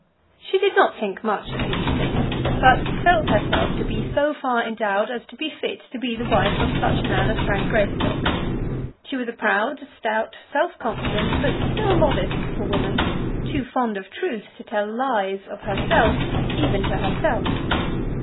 She did not think much of these things, but felt herself to be so far endowed as to be fit to be the wife of such a man as Frank Greystock. She was a proud, stout, self confident, but still modest little woman, too fond of truth to tell lies of herself even to herself.